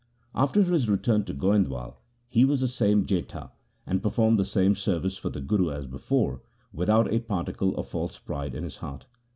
After his return to Goindwal he was the same Jetha and performed the same service for the Guru as before, without a particle of false pride in his heart.